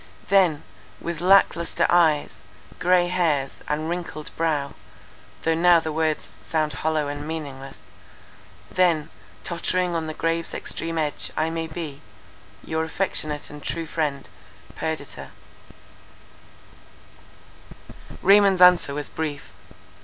Then, with lack lustre eyes, grey hairs, and wrinkled brow, though now the words sound hollow and meaningless, then, tottering on the grave's extreme edge, I may be—your affectionate and true friend, "PERDITA." Raymond's answer was brief.